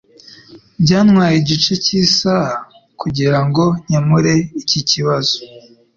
Byantwaye igice cyisaha kugirango nkemure iki kibazo.